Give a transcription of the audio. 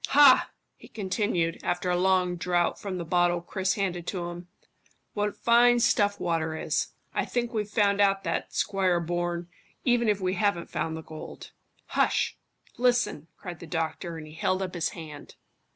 Hah!" he continued, after a long draught from the bottle Chris handed to him. "What fine stuff water is. I think we've found out that, Squire Bourne, even if we haven't found the gold." "Hush! Listen!" cried the doctor, and he held up his hand.